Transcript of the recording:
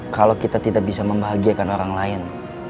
kalau kita tidak bisa membahagiakan orang lain